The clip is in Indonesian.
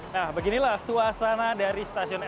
nah beginilah suasana dari stasiun